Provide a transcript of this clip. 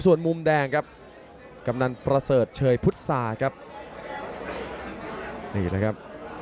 ส่วนมุมแดงครับกำนันประเสริฐเชยพุษาครับนี่แหละครับ